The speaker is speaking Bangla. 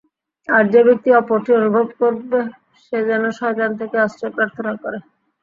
আর যে ব্যক্তি অপরটি অনুভব করবে, সে যেন শয়তান থেকে আশ্রয় প্রার্থনা করে।